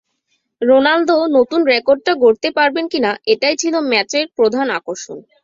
Ronaldo নতুন রেকর্ডটা গড়তে পারবেন কিনা, এটাই ছিল ম্যাচের প্রধান আকর্ষণ।